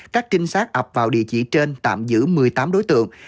các trinh sát ập vào địa chỉ trên tạm giữ một mươi tám đối tượng